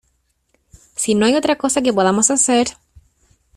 si no hay otra cosa que podamos hacer...